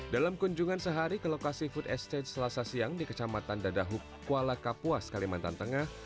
dalam kunjungan sehari ke lokasi food estage selasa siang di kecamatan dadahuk kuala kapuas kalimantan tengah